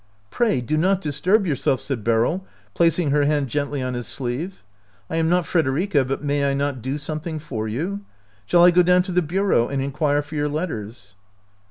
" Pray do not disturb yourself," said Beryl, placing her hand gently on his sleeve. " I am not Frederica, but may I not do something for you? Shall I go down to the bureau and inquire for your letters